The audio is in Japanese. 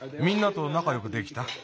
みんなとなかよくできた？